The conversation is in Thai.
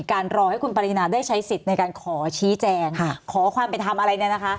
การรอให้คุณปรินาได้ใช้สิทธิ์ในการขอชี้แจงขอความไปทำอะไรนะนะคะ